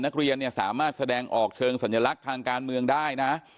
นักเรียนเนี่ยสามารถแสดงออกเชิงสัญลักษณ์ทางการเมืองได้นะ